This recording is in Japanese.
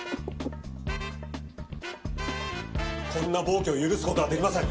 こんな暴挙を許す事は出来ません。